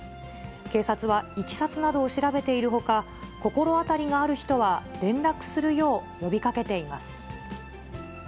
警察は、いきさつなどを調べているほか、心当たりがある人は連絡するよう呼びかけています。